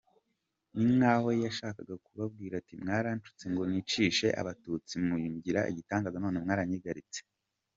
Ni nk’aho yashakaga kubabwira ati mwaranshutse ngo nicishe abatutsi mungira igitangaza none mwaranyigaritse.